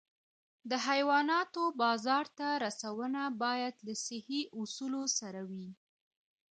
د حیواناتو بازار ته رسونه باید له صحي اصولو سره وي.